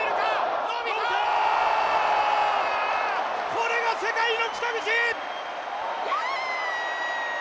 これが世界の北口！